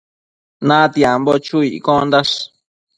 Natiambo chu iccondash